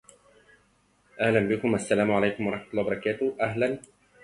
As the not playing captain he has gained three Slovak league medals.